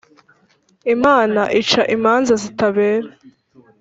Imana ica imanza zitabera